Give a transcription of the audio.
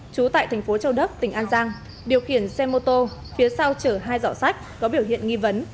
trú tại tp châu đức tỉnh an giang điều khiển xe mô tô phía sau chở hai dỏ sách có biểu hiện nghi vấn